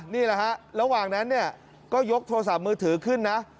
นี่แหละฮะระหว่างนั้นเนี่ยก็ยกโทรศัพท์มือถือขึ้นนะ